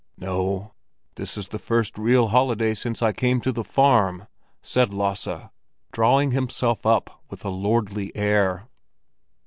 "No; this is the first real holiday since I came to the farm," said Lasse, drawing himself up with a lordly air.